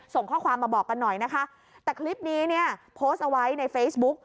ส่งข้อความมาบอกกันหน่อยนะคะแต่คลิปนี้เนี่ยโพสต์เอาไว้ในเฟซบุ๊ก